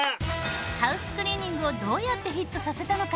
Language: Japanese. ハウスクリーニングをどうやってヒットさせたのか？